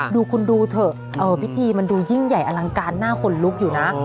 ดูคุณดูเถอะพิธีมันดูยิ่งใหญ่อลังการหน้าขนลุกอยู่นะ